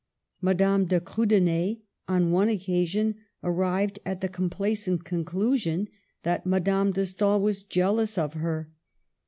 Madame de Kriidener, on one occasion, arrived at the complacent conclusion that Madame de Stael was jealous of her.